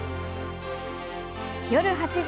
夜８時。